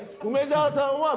梅沢さんに。